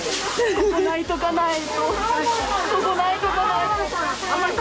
ここ泣いとかないと。